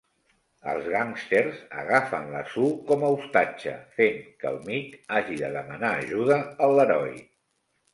Els gàngsters agafen la Sue com a ostatge, fent que el Mick hagi de demanar ajuda al Leroy.